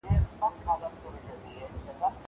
زه له سهاره واښه راوړم!